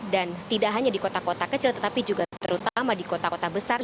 dan tidak hanya di kota kota kecil tetapi juga terutama di kota kota besar